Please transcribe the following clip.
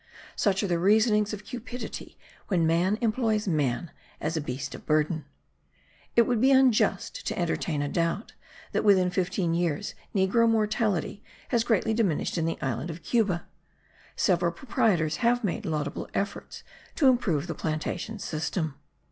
Such are the reasonings of cupidity when man employs man as a beast of burden! It would be unjust to entertain a doubt that within fifteen years negro mortality has greatly diminished in the island of Cuba. Several proprietors have made laudable efforts to improve the plantation system.